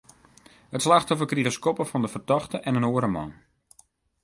It slachtoffer krige skoppen fan de fertochte en in oare man.